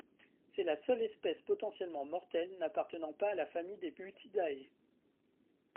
C'est la seule espèce potentiellement mortelle n'appartenant pas à la famille des Buthidae.